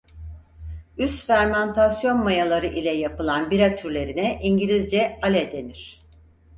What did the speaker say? Üst fermantasyon mayaları ile yapılan bira türlerine İngilizce "ale" denir.